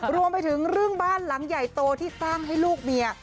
รวมไปถึงเรื่องบ้านหลังใหญ่โตที่สร้างให้ลูกเมีย